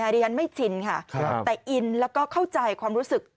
ดิฉันไม่ชินค่ะแต่อินแล้วก็เข้าใจความรู้สึก